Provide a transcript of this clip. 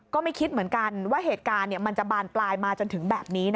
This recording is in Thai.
ก็ไม่คิดเหมือนกันว่าเหตุการณ์มันจะบานปลายมาจนถึงแบบนี้